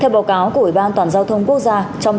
theo báo cáo của ủy ban toàn giao thông quốc gia